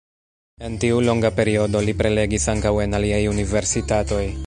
En tiu longa periodo li prelegis ankaŭ en aliaj universitatoj.